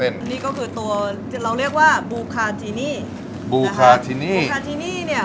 อันนี้ก็คือตัวเราเรียกว่าบูคาจินี่บูคาจินี่บูคาจินี่เนี่ย